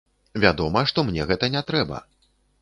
Вядома, што мне гэта не трэба.